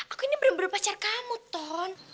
aku ini benar benar pacar kamu ton